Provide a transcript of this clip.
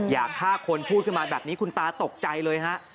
อยากฆ่าคนพูดขึ้นมาแบบนี้คุณตาตกใจเลยฮะ